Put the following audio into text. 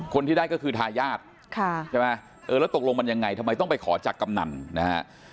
คนที่ได้ก็คือทายาทใช่ไหมเออแล้วตกลงมันยังไงทำไมต้องไปขอจากกำนันนะฮะ